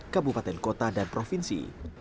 kabupaten kota dan provinsi